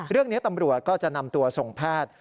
เรื่องนี้ตำรวจก็จะนำตัวส่งแพทย์